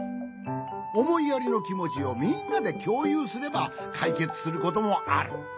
おもいやりのきもちをみんなできょうゆうすればかいけつすることもある。